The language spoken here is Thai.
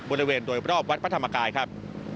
บริเวณโดยรอบวัดพระธรรมกายครับ